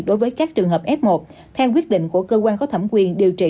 đối với các trường hợp f một theo quyết định của cơ quan có thẩm quyền điều trị